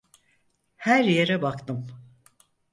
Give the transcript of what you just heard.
Her yere baktım.